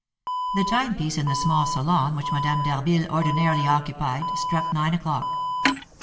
The timepiece in the small salon which Madame d'Harville ordinarily occupied struck nine o'clock.